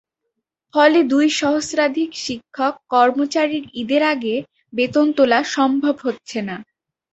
ফলে দুই সহস্রাধিক শিক্ষক-কর্মচারীর ঈদের আগে বেতন তোলা সম্ভব হচ্ছে না।